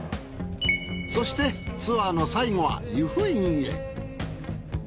そしてツアーの最後は湯布院へ。